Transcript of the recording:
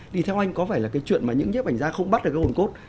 thì theo anh có phải là chuyện mà những nhiếp ảnh ra không bắt được hồn cốt